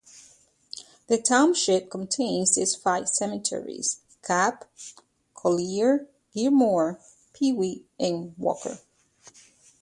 The township contains these five cemeteries: Capp, Collier, Gilmore, Peewee and Walker.